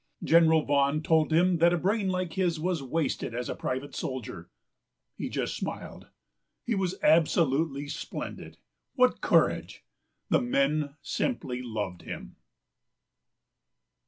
General Vaughan told him that a brain like his was wasted as a private soldier. He just smiled. He was absolutely splendid. What courage! The men simply loved him."